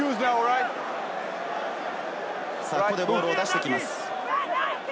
ボールを出してきます。